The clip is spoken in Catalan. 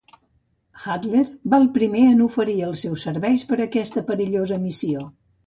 Hatler va el primer en oferir els seus serveis per a aquesta perillosa missió.